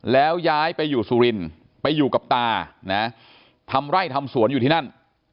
แล้วย้ายไปอยู่สุรินไปอยู่กับตานะทำไร่ทำสวนอยู่ที่นั่น